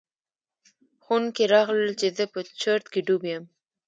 ښوونکي راغلل چې زه په چرت کې ډوب یم.